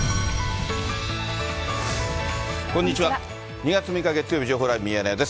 ２月６日月曜日、情報ライブミヤネ屋です。